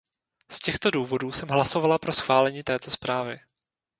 Z těchto důvodů jsem hlasovala pro schválení této zprávy.